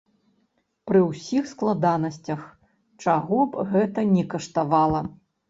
Пры ўсіх складанасцях, чаго б гэта ні каштавала!